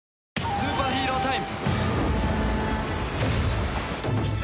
スーパーヒーロータイム。